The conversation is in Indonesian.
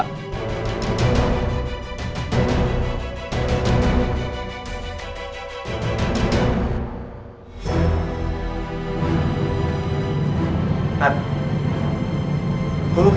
sampai jumpa di video selanjutnya